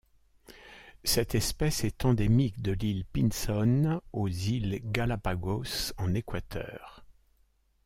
Cette espèce est endémique de l'île Pinzón aux îles Galápagos en Équateur.